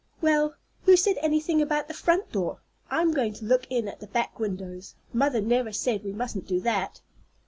"Well, who said anything about the front door? I'm going to look in at the back windows. Mother never said we mustn't do that."